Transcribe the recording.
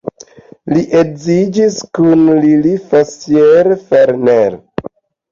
Li edziniĝis kun Lili Fassier-Farnell.